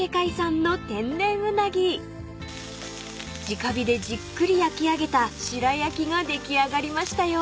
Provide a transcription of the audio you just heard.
［じか火でじっくり焼き上げた白焼きが出来上がりましたよ］